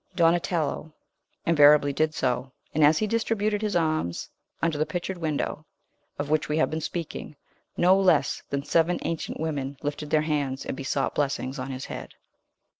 Donatello invariably did so; and as he distributed his alms under the pictured window, of which we have been speaking, no less than seven ancient women lifted their hands and besought blessings on his head.